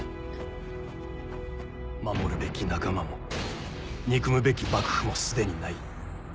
守るべき仲間も憎むべき幕府もすでにない。